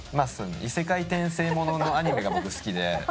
異世界転生もののアニメが僕、好きで。